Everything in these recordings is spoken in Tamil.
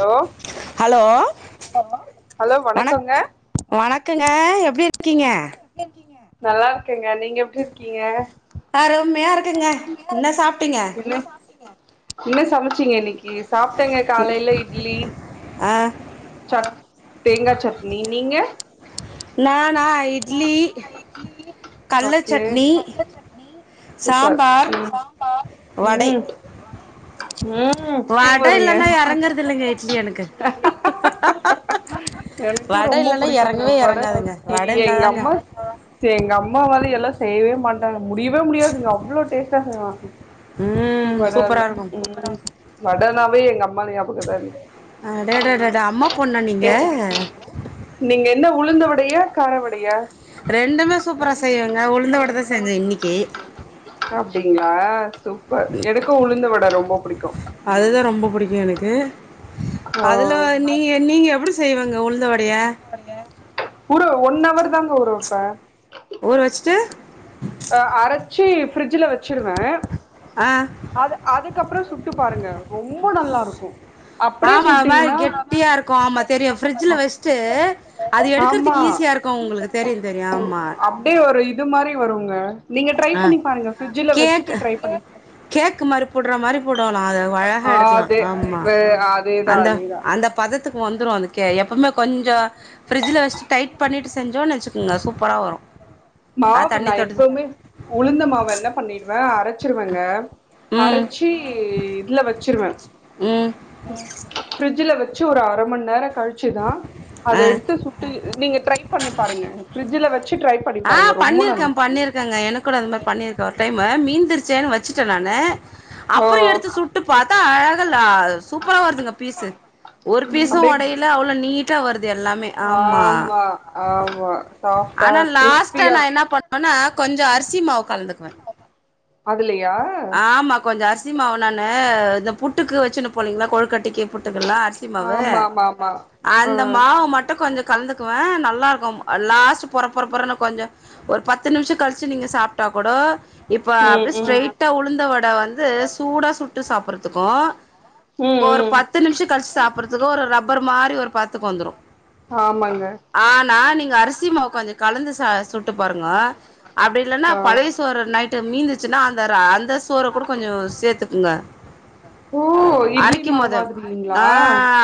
ஹலோ ஹலோ ஹலோ வண வணக்கங்க வணக்கங்க எப்டி இருக்கீங்க நல்லா இருக்கேங்க நீங்க எப்டி இருக்கீங்க அருமையா இருக்குங்க என்ன சாப்பிட்டீங்க இன்ன சமச்சீங்க இனைக்கு நி சாப்பிட்டேங்க காலயில இட் ஆ தேங்கா சட்னி நீங்க நானா இட்லி கள்ள ஓகே சட்னி சூப்பர் சாம்பார் ம் வடை உம் வட சூப்பருங்க இல்லன்னா [unintelligible] எனக்கு ஹாஹா எனக்கு வட ரொம்ப இல்லல்லான புடிக்குங்க எறங்கவே வட எறங்காதுங்க வட ஐய எங்க இருந்தாதாங்க அம்மா எங்க அம்மா வாலயெலாம் செய்யவே மாட்டாங்க முடியவே முடியாதுங்க அவ்வளோ டேஸ்ட்டா செய்வாங்க ம் வடயெலா சூப்பரா இருக்கு வடனாவே எங்க அம்மானுக் அடடடடா அம்மா பொண்ணா நீங்க [unintelligible] நீங்க என்ன உளுந்த வட பெயர் காரவடயா ரெண்டுமே சூப்பரா ரெண்டுமே செய்வங்க சூப்பரா உளுந்த வடதா செய்வாங்க செஞ்சே உளுந்து வட இன்னைக்கி செய்த இன்னைக்கி அப்டிங்களா சூப்பர் எனக்கும் உளுந்த வட ரொம்ப பிடிக்கும் அதுக்கு அதுல நீங்க நீங்க எப்டி செய்வங்க உளுந்தவடய ஊற ஒன் ஹவர் தாங்க ஊறவப்பே ஊற வச்சுட்டு அஹ அரச்சி ஃப்ரிட்ஜில வச்சுருவேன் ஆ அது அதுக்கப்பறம் சுட்டு பாருங்க ரொம்ப நல்லா இருக்கும் போ ஆமா அது மாரி கெட்டியா இருக்கும் ஆமா தெரியும் ஃபிரிட்ஜில வச்சுட்டு அது ஆமா எடுக்குறதுக்கு ஈஸியா இருக்கும் உங்களுக்கு தெரியும் தெரியும் ஆமா அப்டியே ஒரு இது மாரி வருங்க நீங்க ட்ரை ஆஹ பண்ணி பாருங்க ஃப்ரிட்ஜ்ல கேக் வச்சுட்டு ட்ரை பண்ணி கேக்கு மாரி போடுற மாரி போடோணும் அத அழகா ஆ எடுக்கலாம் அதே ஆமா அதேதா அந்த அதேதா அந்த பதத்துக்கு வந்துரும் அது எப்பவுமே கொஞ்ச ஃப்ரிட்ஜில வச்சு டைட் பண்ணிட்டு செஞ்சோம் வச்சுக்கோங்க சூப்பரா வரும் மாவு நா எப்பவுமே உளுந்த மாவ என்ன பண்ணிடுவே அரைச்சுருவங்க அரைச்சி இதுல வச்சுருவேன் உம் வச்சு ஒரு அரை மண் நேரம் கழிச்சு வச்சுதான் அத ஆ எடுத்து சுட்டு நீங்க ட்ரை பண்ணி பாருங்க பிரிட்ஜில வச்சு ட்ரை பண்ணி பாருங்க ஆஹ் ரொம்ப நல் பண்ணிருக்கேன் பண்ணியிருக்கேங்க எனக்கு கூட அந்த மாரி பண்ணிருக்கேன் ஒரு டைம் மீந்துருச் சே னு வச்சுட்டேன் நானு அப்புறம் ஓ எடுத்து சுட்டு பாத்தா அழக ல சூப்பர வருதுங்க பீஸ்சு ஒரு பீஸும் அப்டியே உடையல அவள நீட்டா வருது எல்லாமே ஆம்மா ஆமா ஆமா சாஃப்டா ஆனால லாஸ்ட்ட கிறிஸ்பியா நான் என்ன இருக்கு பண்ணுவேனா கொஞ்சம் அரிசி மாவு கலந்துக்குவேன் அதுலயே ஆமா கொஞ்ச அரிசிமாவு நானு இந்த புட்டுக்கு வச்சுனு போனிங்களா கொழுக்கட் ட்டுகே புட்டுக்கலா அரிசி மாவு ஆமா ஆமா ஆமா ஆ அந்த மாவு மட்டும் கொஞ்ச கலந்து க்குவேன் நல்லா இருக்கும் லாஸ்ட் பொற பொறபொறனு கொஞ்ச ஒரு பத்து நிம்ஷ கழிச்சு நீங்க சாப்டா குட இப்ப ம் அப்பிடி ம் ஸ்ட்ரெய் உளுந்த வட வந்து சூடா சுட்டு சாப்றதுக்கு ஒரு ம் ம் பத்து நிமிஷ கழிச்சு சாப்புறதுக்கு ஒரு ரப்பர் மாரி ஒரு பாத்துக்கு வந்துரும் ஆமாங்க ஆனா நீங்க அரிசிமாவு கொஞ்ச கலந்து ச சுட்டு பாருங்க அப்பிடி இல்லன்னா ஆ பழயசோறு நைட்டு மீந்து சின்னா ந்தர [unintelligible] சோற கூட கொஞ்ச சேத்துக்குங்க ஓ இட்லி மாவு அரைக்கிம்மோது மாதிரிங்களா அ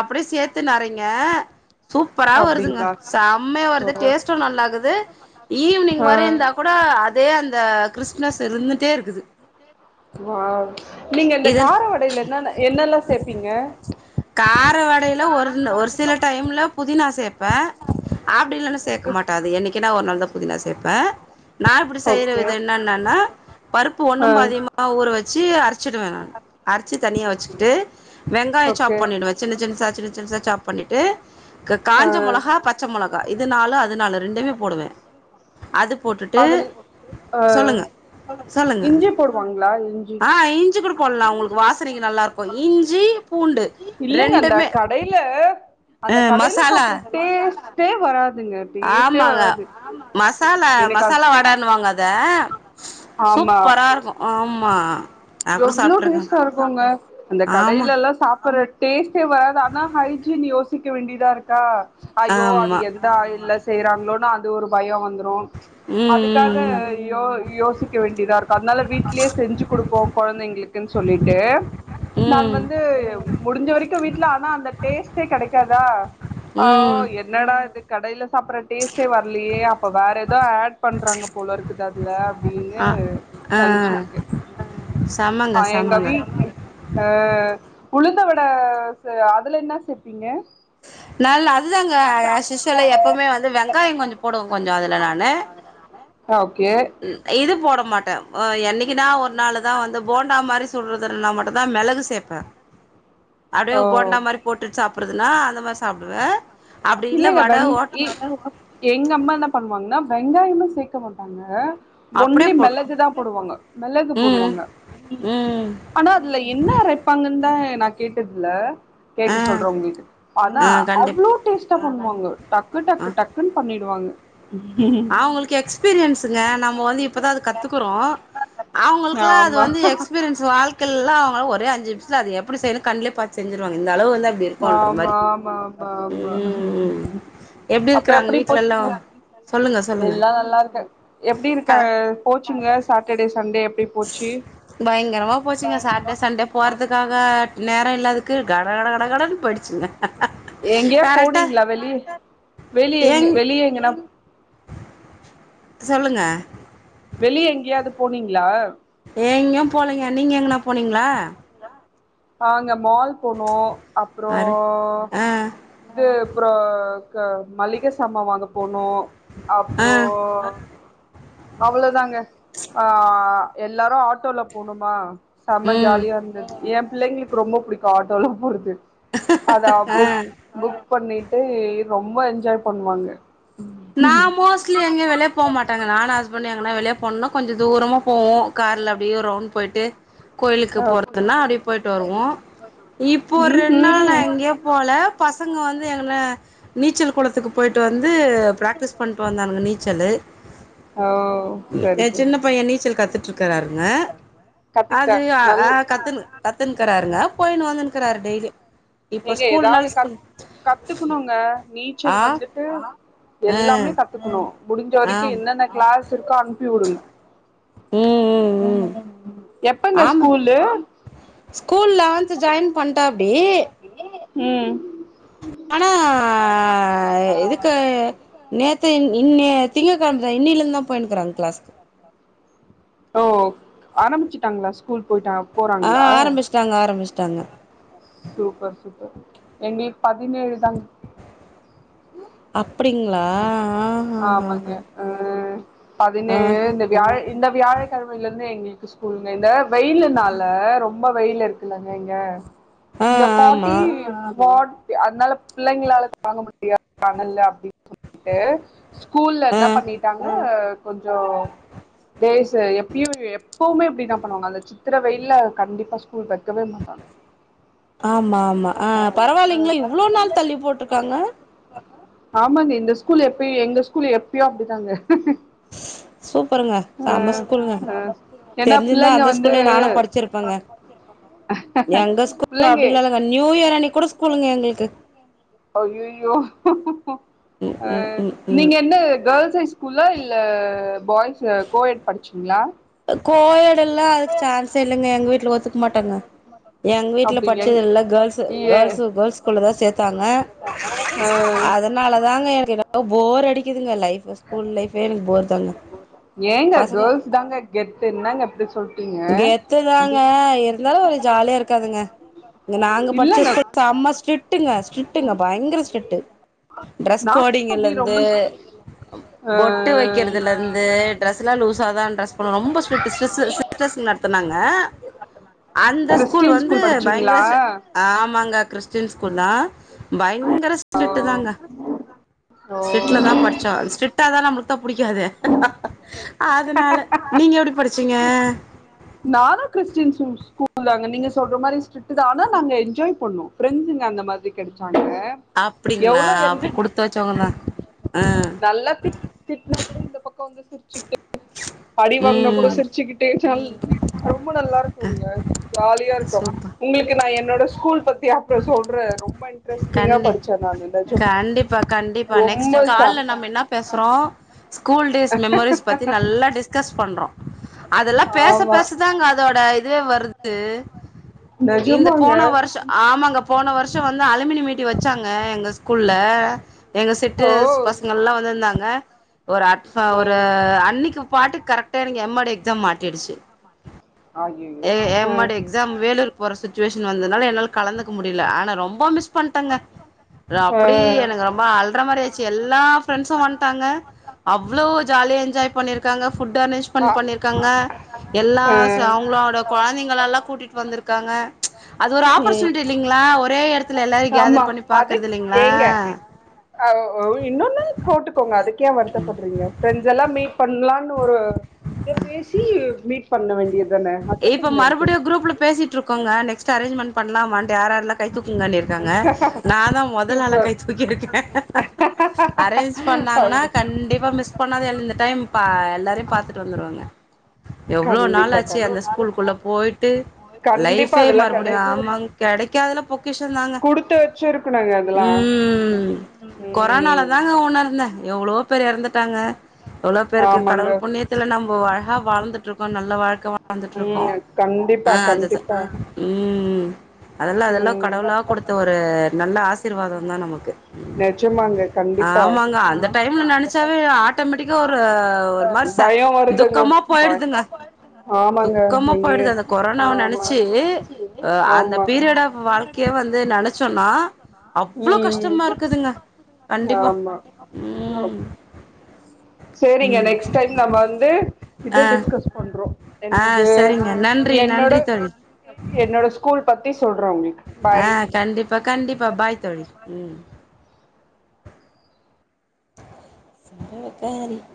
அப்டியே சேத்துனு அரைங்க சூப்பரா வருதுங்க அப்டிங்களா செம்மையா ஓ வருது டேஸ்டு நல்லாக்குது ஈவினிங் ஆ வரந்தா கூட அதே அந்த கிருஸ்னஸ் இருந்துட்டே இருக்குது வாவ் நீங்க இந்த கார இதல் வடயில என்னன்ன என்னல்ல சேப்பிங்க கார வடயில ஒன்னு ஒரு சில டைம்ல புதினா சேப்பேன் அப்டில்லனா சேக்கமாட்ட அது என்னகினா ஒரு நாள் தா புதினா சேப்பே நா இப்டி செய்ற ஓகே வித என்னன்னனா பருப்பு ஆ ஒண்ணு பாதியுமா ஊற வச்சு அரை ச்சுடுவே நானு அரச்சு தனி வச்சுகிட்டு வெங்காய ஓகே சாப் வச் சின்ன சின்சா சின் சிறுசா சாப் பண்ணிட்டு க காஞ்ச மொளகா பச்ச மொளகா இது நாலு அது நாலு ஆ ரெண்டுமே போடுவே அது போட்டுட்டு அதுல் ஆ சொல்லுங்க சொல்லுங்க இஞ்சி போடுவாங்களா இஞ்சி ஆஹ் இஞ்சு கூட போடலா உங்களுக்கு வாசனைக்கு நல்லா இரு [unintelligible] இஞ்சி இல்லைங்க அந்த ரெண்டுமே கடைல ஆ அந்த கடைல மசாலா சாப்பிடுற டேஸ்ட் தே வரா ஆமாங்க மசாலா எனக்கு அது மசாலா வாடனுவாங்க அத மசாலா மசாலா வாட ஆமா சூப்பரா இருக்கு ஆமா நா கூட எவ்ளோ சாப்பிட்டு இருக்கேன் டேஸ்ட்டா ஆமா அப்றோ டேஸ்ட்டே வராது ஆனா ஹைஜீன் யோசிக்க வேண்டியதா இருக்கா ஐயோ அது ஆமா எந்த ஆயில செய்றாங்களோனு அது ஒரு பயம் வந்து அதுக்காக ம் ம் யோ யோசிக்க வேண்டியதா இருக்கும் அதனால வீட்லயே செஞ்சு குடுப்போம் கொழந்தைங்களுக்கு சொல்லிட்டு நான் ம் வந்து முடிஞ்ச வரைக்கும் வீட்ல ஆனா அந்த டேஸ்ட்டே கிடைக்காதா ம் என்னடா இதுக்கு கடையில சாப்பிடற டேஸ்ட் டே வரலையே அப்ப வேற ஏதோ ஆட் பண்றாங்க போல இருக்குது அதுல அப்டின்னு ஆ ஆ நினைச்சிருக்கு செமங்க எங்க செமங்க வீட் ஆஹ உளுந்த வடை அதில் என்ன சேப்பிங்க நல்ல அதுதாங்க அஸ்யூஷுவல் எப்பவுமே வந்து வெங்காயம் கொஞ்சம் போடுவோங்க கொஞ்சம் அதுல நானு ஓ இது போட மாட்டேன் என்னைக்குனா ஒரு நாளுதான் வந்து போண்டா மாரி சொல்றது நான் மட்டும்தான் மிளகு சேர்ப்பேன் அப்டியே ஓ போண்டா மாதிரி போட்டுட்டு சாப்ப அப்படுதுனா அந்த மாரி சாப்பிடுவேன் இல்லைங்க வெங் இ எங்க அம்மா என்ன பண்ணுவாங்கன்னா வெங்காயமும் சேர்க்க மாட்டாங்க அப்டியே ஒன்லி போடு மெல்லகு தான் போடுவாங்க மெல்லகு ம் போடுவாங்க ம் ஆனா அதுல என்ன அரைப்பாங்கன்னு தான் நான் கேட்டதுல ஆ கேட்டு சொல்றேன் உங்களுக்கு ஆனா ஆ கண்டிப் அவ்ளோ டேஸ்ட் பண்ணுவாங்க டக்கு டக்கு டக்குன்னு பண்ணிடுவாங்க அவங்களுக்கு எக்ஸ்பீரியன்ஸுங்க நம்ம வந்து இப்பதான் அது கத்துக்குறோம் அவங்களுக்குல்லாம் அது ஆமா வந்து எக்ஸ்பீரியன்ஸ் வாழ் ல்லாம் அவங்கள ஒரே அஞ்சுநிமித்துல அத எப்டி செய்யுறதுணு கண்லே பாத்து செஞ்சுருவாங்க அளவு வந்து அப்டி இருக்குன்ற ஆமா மாரி ஆமா ஆமா ஆமா ம் எப்டி அப்ப இருக்குறாங்க அப்படி வீட்லல்லா போச்சுங்க சொல்லுங்க சொல்லுங்க எல்லாம் நல்லா இருக்கோம் எப்படி க இருக்காம் கோச்சிங்கலாம் சாட்டர்டே சண்டே போச்சு பயங்கரமா போச்சுங்க சாட்டர்டே சண்டே போறதுக்காக நேரம் இல்லாதுக்கு கட கட கடக எங்கே கரெக்டா போனீங்களா வெளிய வெளியேங்க ஏங் வெளியேங்கன்னா சொல்லுங்க வெளிய எங்கேயாது போனீங்களா எங்கயும் போலங்க நீங்க எங்கனா போனீங்களா ஆங்க மால் போனோம் அப்புறம் ஆறு ஆ இது அப்புறம் மளிக சாமா வாங்க போனோ ஆ அப்புறம் அவ்வளோதாங்க ஆஹ் எல்லாரும் ஆட்டோல போணுமா செம ம் ஜாலியா என் பிள்ளைங்களுக்கு ரொம்ப புடிக்கும் ஆட்டோலா போறது அதான் புக் ஆ புக் பண்ணிட்டு ரொம்ப என்ஜாய் பண்ணுவாங்க நான் மோஸ்லி எங்கயு வெளியே போக மாட்டாங்க நான் ஹஸ்பண்ட் எங்கனா வெளிய போனுனா கொஞ்சம் தூரமா போவோம் கார்ல அப்படியே ஒரு ரவுண்ட போயிட்டு கோயிலுக்கு போறதுன்னா அப்படிே போயிட்டு வருவோம் இப்போ ஒரு ரெண்டு நாள் நான் எங்கேயும் போல பச பசங்க வந்து எங்க நீச்சல் குளத்து த்துக்கு போயிட்டு வந்து பிராக்டிஸ் பண்ணிட்டு வந்தானுங்க நீச் ச்சலு நீச்சலு ஓ சரி என் சரி சின்ன சரி பையன் நீச்சல் கத்துட்டு இருக்கிறாருங்க அது கத்துக்கிட்டேன் நல் கத்து கத்துன்னுக்கிறாருங்க போயினு வந்துன்ருக்காரு டெய்லியு நீங்க ஏதாவது கத் கத்துக்கணுங்க நீச்சல் ஆ வந்துட்டு ஆ எல்லாமே கத்துக்கணும் முடிஞ்ச வரைக்கும் ஆம் என்னென்ன கிளாஸ் இருக்கோ அனுப்பி வுடுங்க ம் உம் ம் ம் உம் உம் ஆமா ஸ்கூல் லெவன்த் ஜாயின் பண்டாப்புடி உம் ஆனா இதுக்கு நேத்து இன்ன திங்க கிழம்ப இன்னில இருந்து தான் போயினுக்கிறா கிளாஸ் ஓ ஆரம்பிச்சுட்டாங்களா ஸ்கூல் போயிட்டா ஆ ஆரம்பிச்சுட்டாங்க ஆரம்பிச்சு டாங்க சூப்பர் சூப்பர் எங்களுக்கு பதினேழு தான் அப்டிங்களா [unintelligible] ஆஹஹா ஆமாங்க அஹ் ஆ பதினேழு இந்த வியாழ இந்த வியாழக்கிழமையில இருந்து எங்லுக்கு ஸ்கூல்ங்க இந்த வெயிலுனால ரொம் ரொம்ப வெயில இருக்குலங்க இங்க ஆ இங்க ஆமா ஃபார்டி ஃபார்ட் அதனால பிள்ளைங்களால தாங்க முடியாது அதனால அப்டி கூப்பிடுட்டு ஸ்கூல்ல ஆ என்ன பண்ணிட்டாங்க கொஞ்சம் டேஸ் எப்பயும் எப்பவுமே இப்படின் என்ன பண்ணுவாங்க அந்த சித்திர வெயில கண்டிப்பா ஸ்கூல் வைக்கவே மாட்டாங்க ஆமா ஆ ஆமா ஆமா பரவாயில்லைங்களே இவ்ளோ பரவாயில்லங்க நாள் தள்ளி போட்ருக்காங்க ஆமாங்க இந்த ஸ் ஸ்கூல் எப்பயோ எங்க ஸ்கூல் எப்பயோ அப்படிதாங்க சூப்பருங்க செம அஹ் ஸ்கூல்ங்க அஹ் ஏன்னா தெரிஞ்சிருந்தா பிள்ளைங்க அந்த வந்து ஸ்கூல்லயே நானும் படிச்சிருப்பேங்க எங்க ஸ்கூல் பிள்ளைங்க அப்டி லா இல்ல நியூ இயர் அண்ணிக் கூட ஸ்கூளுங்க எங்களுக்கு அயோயோ ம் ம் அஹ் ம் ம் நீங்க என்ன கேர்ள்ஸ் ஹைஸ் ஸ்கூல்லா இல்ல பாய்ஸ் கோயட் படிச்சிங்ளா கோயடு எல்லாம் அதுக்கு சான்ஸ் இல்லைங்க எங்க வீட்டுல ஒத்துக்க மாட்டாங்க எங்க வீட்ல அப்டி எங் படிச்சதல்லாம் கேர்ள்ஸ் ஏ கேர்ள்ஸ் கேர்ள்ஸ் ஸ்கூல்ல தான் சேர்த்தாங்க ஆ அதனால தாங்க எனக்கு போர் அடிக்குதுங்க லைப் ஸ்கூல் லைஃப் எனக்கு போர் தாங்க ஏங்க பசங்க கேர்ள்ஸ் தாங்க கெத் கெத்து தாங்க இருந்தாலும் ஒரு ஜாலியா இருக்காது துங்க இங்க நாங்க படிச்ச இல்லங்க ஸ்கூல் செம ஸ்டிக்ட் ஸ்ட்ரிக்ட்டுங்க ஸ்ட்ரிக்ட்டுங்க பயங்கர ஸ்ட்ரிட்டு ட்ரெஸ் நாங்களு அப்டி கோடிங்லேருந்து ரொம்ப ஆ பொட்டு வைக்கிறதுலேருந்து ட்ரெஸ்லாம் லூஸாக தான் ட்ரெஸ் ரொம்ப ஸ்ரிக்ட்டு சிஸ் சிஸ்டர்ஸ் நடத்தனாங்க அந்த ஸ்கூல் கிறிஸ்டின் வந்து படிச்சீங்களா பயங்கர ஆமாங்க கிறிஸ்டின் ஸ்கூல்ல தான் பயங்க ஓ ஸ்ரிக்ட் தாங்க ஓ பயங்கர ஸ்டரிக்ட் தான் நமக்கு பிடிக்காதே அதனால எப்டி படிச்சீங்க நானு கிறிஸ்டின் ஸ்கூல் நீங்க சொல்ற மாதிரி ஸ்டிக்ட் தான் நாங்க என்ஜாய் பண்ணோம் பிரெண்ட்ஸ் அந்த மாதிரி கிடைச்சாங்க அப்படிங்களா எவ்வளோ என்ன அப்ப குடுத்த வச்சவங்க தான் ஆஹ் இருப்பாங்க சிரிச்சுட்டுக்கே அடி வாங்கினா கூட ம் சிரிச்சுக்கிட்டே ரொம்ப நல்ல சொல்ங்க ஜாலியா இருக்கும் சூப்பர் உங்களுக்கு நான் என்னோட ஸ்கூல் பத்தி அப்பறம் சொல்றேன் ரொம்ப இன்டஸ்டிங்க கண்டி படிச்சோ ம் கண்டிப்பா கண்டிப்பா நெக்ஸ்ட் ரொம்ப சா கால்ல நம்ம என்ன பேசுறோம் ஸ்கூல் டேஸ் மெமரிஸ் பத்தி நல்லா டிஸ்கஸ் பண்ணறோம் அதெல்லாம் பேச ஆமா பேசதாங்க அதோட இதுவே வருது இந்த போன நிஜமாங்க வருஷம் ஆமாங்க போன வருஷம் வந்து அழகு மீட்டி வச்சாங்க எங்க ஸ்கூல்ல எங்க ஓ செட்டு பசங்கள்லாம் வந்துருந்தாங்க ஒரு அட்ரா ஒரு ம் அன்னைக்கு பாட்டு கரெக்டா எனக்கு எம்மாடி எக்ஸாம் மாட்டிடுச்சு அய்யய்யோ எம் ம் எடு எக்ஸாம் வேலைக்கு போற சுத்தி சுச்சுவேஷன் வந்தனால என்னால் கலந்துக்க முடியல ஆனால் ரொம்ப மிஸ் மிஸ் பண்ணட்டங்க ம் ஆ அப்படி எனக்கு ரொம்ப அல்ற மாதிரி ஆச்சு எல்லா பிரண்ட்ஸ்சும் வட்டாங்க அவ்வளோ ஜாலிய என்ஜாய் பண்ணியிருக்காங்க ஃபுட்டு அரேஞ் பண்ணிருக்காங்க எல்லா சா ம் அவங்களோட குழந்தைங்களல்லாம் கூட்டிட்டு வந்துருக்காங்க அது ஒரு ம் ஆப்பர்சுனிட்டி இல்லைங்களா ஒரே இடத்து ஆமா அது ஏங்க இன்னொன்னு போட்டுக்கோங்க அதுக்க ஏன் வருத்தப்படுறீங்க ப்ரெண்ட்ஸ் லாம் பண்ணலான்னு ஒரு இதை பேசி மீட் பண்ண வேண்டியது தானே அதுல போய் இப்ப என்ன இருக்கு மறுபடியு குரூப்ல பேசிட்டு இருகோங்க நெக்ஸ்ட் அர்ரேஞ்ஜ்மெண்ட் பண்ணலாமான் யார் யாரல்லாம் தூக்குங்கன்ன இருக்காங்க நான் தான் முதல் ஆலா சூப்பர் கை தூக்கிருக்கேன் அரேஞ் பண்ணாங்கன்னா அப்டி கண்டிப்பா மிஸ் பண்ணாத எழுந்த டைம் பா எல்லாரையும் பாத்துட்டு வந்துருவாங்க எவ்வளவு கண்டிப்பா நல்லாச்சு கண் அந்த ஸ்கூலக்குள்ள போயிட்டு கண்டிப்பா லைஃபே அதெல்லா கெடை மறுபடியும் ஆமாங்க கெடைக்கதுல பொக்கேஷன் தாங்க குடுத்து வச்சிருக்கணுங்க அதெல்லா ம் கொரோனால தாங்க உன்னு இருந்தேன் எவ்வளோ பேர் இறந்துட்டாங்க எவ்ளோ ருக்கு ஆமாங்க கடவுள் புண்ணியத்தில் நம்ம அழகாக வாழ்ந்துட்டு இருக்கோம் நல்ல வாழ்க்க வாழ்ந்துட்டு இருக்கோம் பண்ண ம் கண்டிப்பா ஆஹ் அதுதான் கண்டிப்பா ம் அதெல்லாம் ம் அதெல்லாம் ம் கடவுளா கொடுத்த ஒரு நல்ல ஆசீர்வாதம் தான் நமக்கு நெஜமாங்க கண்டிப்பா ஆமாங்க அந்த டைம்ல நினைச்சாவே ஆட்டோமேட்டிக்கா ஒரு ஒரு மாரி பயோ வருதுங்க துக்கமா போயிடுங்க பய ஆமாங்க துக்கமா எங்கே போயிடுதுங்க கொரோனாவ நெனைச்சு அந்த ஆமா பி அவ்ளோ ம் கஷ்டமா இருக்குதுங்க கண்டிப்பா ஆமா ம் செரிங்க ம் நெக்ஸ்ட் டைம் நம்ம வந்து இது ஆ டிஸ்கஸ் பண்றோம் ஆ என்னது சரிங்க நன்றி என்னோட நன்றி என்னோட ஸ்கூல் பத்தி சொல்றே உங்களுக்கு பாய் ஆஹ கண்டிப்பா கண்டிப்பா பாய்த்தோழி ம் [inaudible]